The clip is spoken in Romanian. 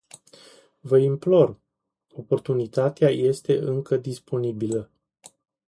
Vă implor, oportunitatea este încă disponibilă.